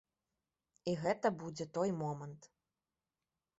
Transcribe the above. І гэта будзе той момант.